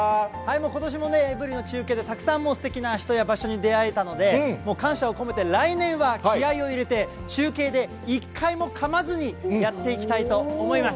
ことしもね、エブリィの中継で、たくさんすてきな人や場所に出会えたので、もう感謝を込めて、来年は気合いを入れて、中継で一回もかまずにやっていきたいと思います。